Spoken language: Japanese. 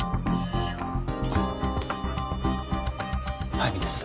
早水です。